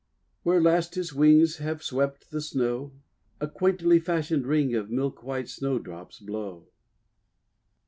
where last his icings have swept the Snow, A quaintly fashioned ring of milk white Snowdrops blow!'